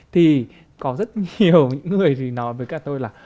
thì có rất nhiều người nói với các tôi là